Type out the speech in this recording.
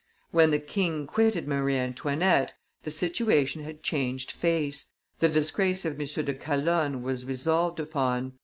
When the king quitted Marie Antoinette, the situation had changed face; the disgrace of M. de Calonne was resolved upon.